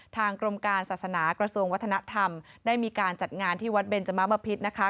ทางกรมการศาสนากระทรวงวัฒนธรรมได้มีการจัดงานที่วัดเบนจมะมพิษนะคะ